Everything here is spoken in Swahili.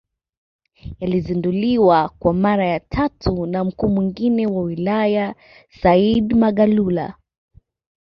Yalizinduliwa kwa mara ya tatu na mkuu mwingine wa wilaya Said Magalula